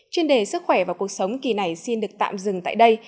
chuyên đề sức khỏe và cuộc sống kỳ này xin được tạm dừng tại đây